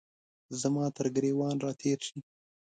زما ترګریوان را تیر شي